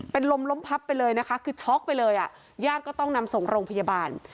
เป็นลมล้มพับไปเลยนะคะคือช็อกไปเลยอ่ะญาติก็ต้องนำส่งโรงพยาบาล